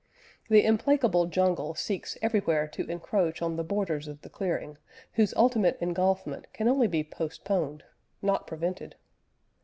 The implacable jungle seeks everywhere to encroach on the borders of the clearing, whose ultimate engulfment can only be postponed, not prevented.